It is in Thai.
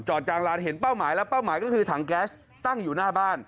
จางร้านเห็นเป้าหมายแล้วเป้าหมายก็คือถังแก๊สตั้งอยู่หน้าบ้าน